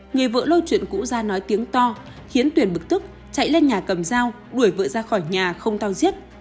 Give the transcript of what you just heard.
người vợ lôi chuyện cũ ra nói tiếng to khiến tuyền bực tức chạy lên nhà cầm dao đuổi vợ ra khỏi nhà không tao giết